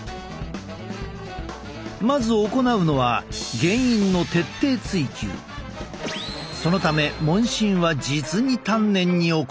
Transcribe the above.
まず行うのはそのため問診は実に丹念に行う。